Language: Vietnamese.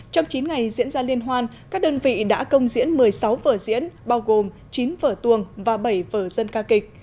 trong chín ngày diễn ra liên hoan các đơn vị đã công diễn một mươi sáu vở diễn bao gồm chín vở tuồng và bảy vở dân ca kịch